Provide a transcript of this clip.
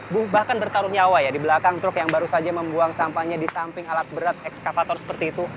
bahkan bertaruh nyawa ya di belakang truk yang baru saja membuang sampahnya di samping alat berat ekskavator seperti itu